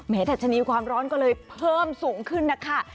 ดัชนีความร้อนก็เลยเพิ่มสูงขึ้นนะคะ